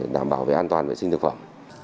đảm bảo về an toàn vệ sinh thực phẩm